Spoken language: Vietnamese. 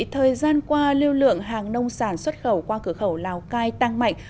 thời gian qua lưu lượng hàng nông sản xuất khẩu qua cửa khẩu lào cai tăng mạnh